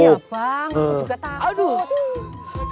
iya bang gua juga takut